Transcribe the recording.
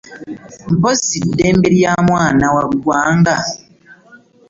Mpozzi ddembe lya mwana wa ggwanga!